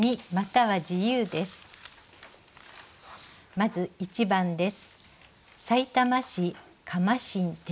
まず１番です。